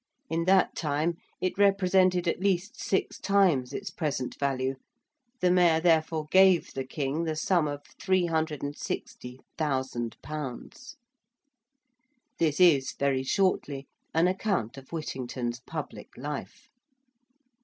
In that time it represented at least six times its present value. The Mayor therefore gave the King the sum of 360,000_l._ This is, very shortly, an account of Whittington's public life.